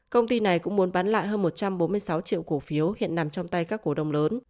công ty này cũng muốn bán lại hơn một trăm bốn mươi sáu triệu cổ phiếu hiện nằm trong tay các cổ đông lớn